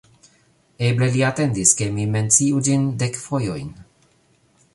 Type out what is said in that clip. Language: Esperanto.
Eble li atendis, ke mi menciu ĝin dek fojojn.